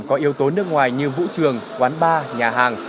có yếu tố nước ngoài như vũ trường quán bar nhà hàng